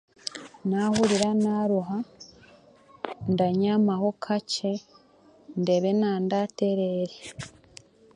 Nahuurira naruha, ndabyama ho kakye ndebe n'andatereera.